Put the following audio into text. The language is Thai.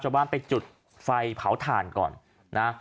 ชาวบ้านไปจุดไฟเผาถ่านก่อนนะ